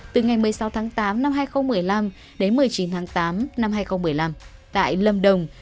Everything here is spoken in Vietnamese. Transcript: từ ngày một mươi sáu tháng tám năm hai nghìn một mươi năm đến một mươi chín tháng tám năm hai nghìn một mươi năm tại lâm đồng